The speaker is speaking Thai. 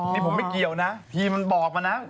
นี่ผมไม่เกี่ยวนะพี่มันบอกมานะ